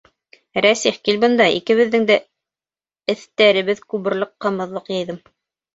— Рәсих, кил бында, икебеҙҙең дә эҫтәребеҙ күберлек ҡымыҙлыҡ йыйҙым!